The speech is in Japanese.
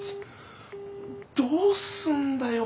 どうすんだよ？